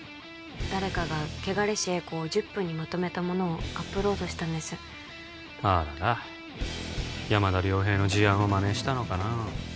誰かが「穢れし曳航」を１０分にまとめたものをアップロードしたんですあーらら山田遼平の事案をマネしたのかな